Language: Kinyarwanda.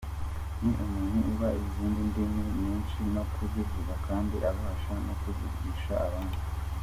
Ni umuntu uba uzi indimi nyinshi no kuzivuga kandi abasha no kuzigisha abandi.